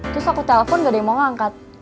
terus aku telpon gak ada yang mau ngangkat